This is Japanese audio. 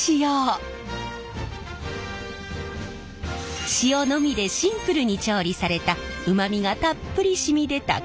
塩のみでシンプルに調理されたうまみがたっぷりしみ出たかき。